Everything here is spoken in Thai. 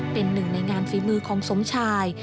เป็นหนึ่งในงานฝีมือของสมชาย